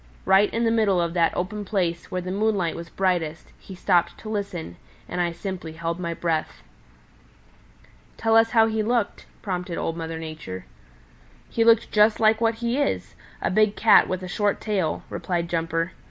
Right in the middle of that open place, where the moonlight was brightest, he stopped to listen, and I simply held my breath." "Tell us how he looked," prompted Old Mother Nature. "He looked just like what he is a big Cat with a short tail," replied Jumper.